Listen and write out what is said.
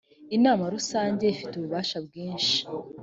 inama rusange ifite ububasha bwinshi.